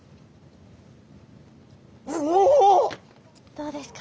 どうですか？